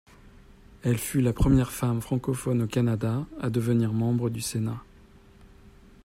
Elle fut la première femme francophone au Canada à devenir membre du Sénat.